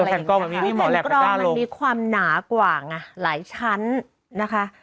กล้องมันมีความหนากว่าไงหลายชั้นนะคะ